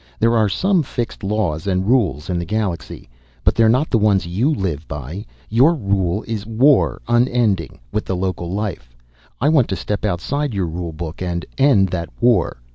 There are some fixed laws and rules in the galaxy but they're not the ones you live by. Your rule is war unending with the local life. I want to step outside your rule book and end that war.